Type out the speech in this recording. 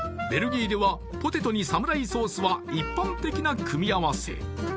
ベルギーではポテトにサムライソースは一般的な組み合わせ